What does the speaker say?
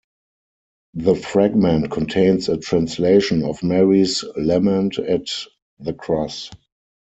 The fragment contains a translation of Mary's lament at the cross.